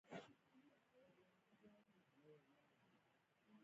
مزارشریف د افغانستان د هنر په ټولو اثارو کې منعکس کېږي.